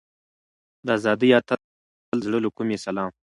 د ازادۍ اتل ته د زړه له کومې سلام.